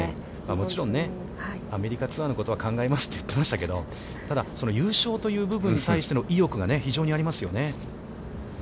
もちろんアメリカツアーのことは考えますって言ってましたけど、ただ、優勝という部分に対しての意欲が非常にありますよね。